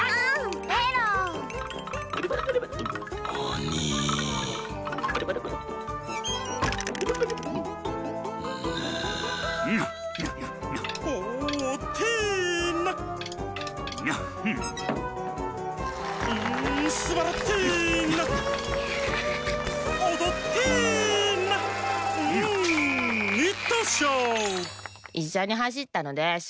いっしょにはしったのでしっかくです！